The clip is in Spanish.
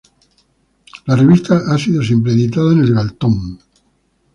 La revista siempre ha sido editado en el Galton.